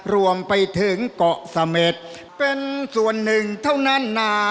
รวมไปถึงเกาะเสม็ดเป็นส่วนหนึ่งเท่านั้นนะ